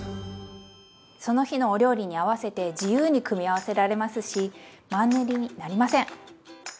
その日のお料理に合わせて自由に組み合わせられますしマンネリになりません！